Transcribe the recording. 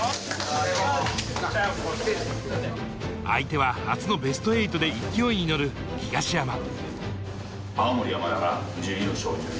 相手は初のベスト８で勢いに乗る東山。